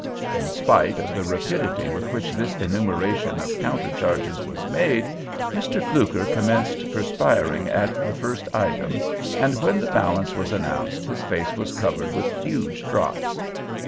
In spite of the rapidity with which this enumeration of counter charges was made, Mr. Fluker commenced perspiring at the first item, and when the balance was announced his face was covered with huge drops.